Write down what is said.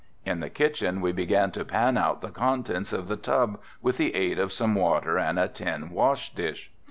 In the kitchen we began to pan out the contents of the tub with the aid of some water and a tin wash dish.